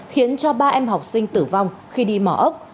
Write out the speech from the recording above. khiến cho ba em học sinh tử vong khi đi mỏ ốc